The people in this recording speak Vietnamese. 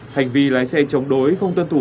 hành vi lái xe chống đối không tuân thủ